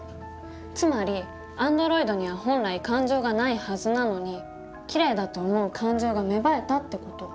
つまりアンドロイドには本来感情がないはずなのにキレイだと思う感情が芽生えたって事。